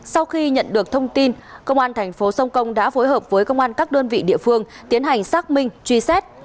sau khi nhận được thông tin công an thành phố sông công đã phối hợp với công an các đơn vị địa phương tiến hành xác minh truy xét